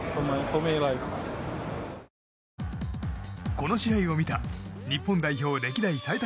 この試合を見た日本代表歴代最多